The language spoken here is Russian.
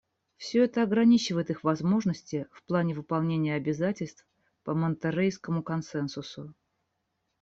Все это ограничивает их возможности в плане выполнения обязательств по Монтеррейскому консенсусу.